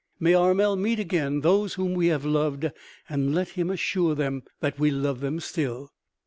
May Armel meet again those whom we have loved, and let him assure them that we love them still!"